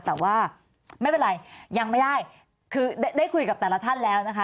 แต่ว่าไม่เป็นไรยังไม่ได้คือได้คุยกับแต่ละท่านแล้วนะคะ